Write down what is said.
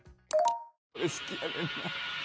これ好きやねんな。